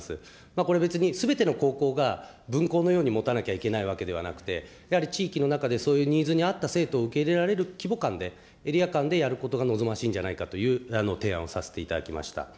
これ別に、すべての高校が分校のように持たなきゃいけないわけではなくて、やはり地域の中でそういうニーズに合った生徒を受け入れられる規模感で、エリアかんでやることが望ましいんじゃないかという提案をさせていただきました。